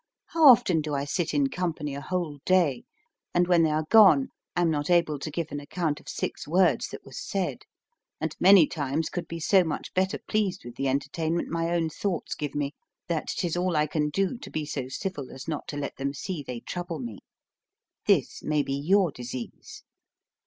How often do I sit in company a whole day, and when they are gone am not able to give an account of six words that was said, and many times could be so much better pleased with the entertainment my own thoughts give me, that 'tis all I can do to be so civil as not to let them see they trouble me. This may be your disease.